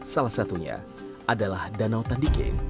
salah satunya adalah danau tandike